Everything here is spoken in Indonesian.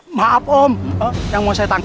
aduh pake nyangkut lagi